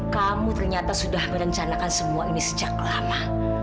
kamu ternyata sudah merencanakan semua ini sejak lama